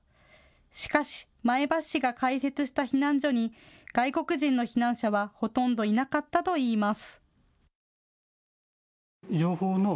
しかし前橋市が開設した避難所に外国人の避難者はほとんどいなかったといいます。